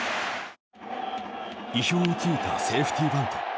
意表を突いたセーフティーバント。